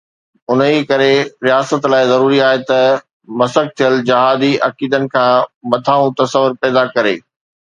انهيءَ ڪري رياست لاءِ ضروري آهي ته مسخ ٿيل جهادي عقيدن کان مٿانهون تصور پيدا ڪري.